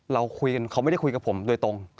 เราคุยกันเขาไม่ได้คุยกับผมโดยตรง